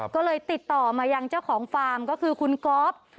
ก็เลยติดต่อมายังเจ้าของฟาร์มก็คือคุณก๊อฟ